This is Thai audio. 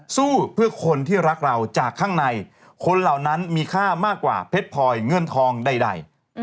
สู้เพื่อคนที่รักเราจากข้างในคนเหล่านั้นมีค่ามากกว่าเพชรพลอยเงินทองใด